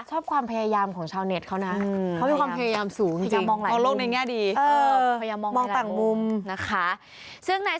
ชอบความพยายามของชาวเน็ตเขานะ